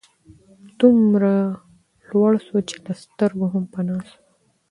دومره لوړ سو چي له سترګو هم پناه سو